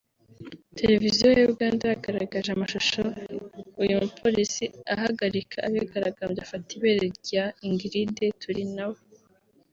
televiziyo ya Uganda yagaragaje amashusho uyu mupolisi ahagarika abigaragambya afata ibere rya Ingrid Turinawe